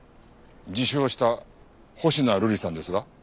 自首をした星名瑠璃さんですが。